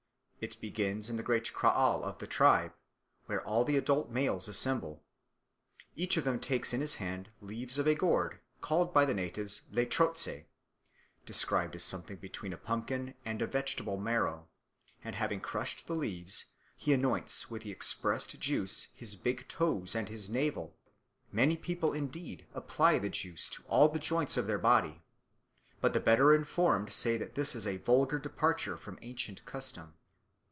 It begins in the great kraal of the tribe, where all the adult males assemble. Each of them takes in his hand leaves of a gourd called by the natives lerotse (described as something between a pumpkin and a vegetable marrow); and having crushed the leaves he anoints with the expressed juice his big toes and his navel; many people indeed apply the juice to all the joints of their body, but the better informed say that this is a vulgar departure from ancient custom.